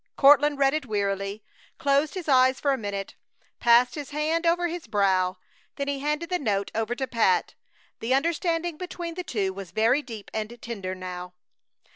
Courtland read it wearily, closed his eyes for a minute, passed his hand over his brow, then he handed the note over to Pat. The understanding between the two was very deep and tender now.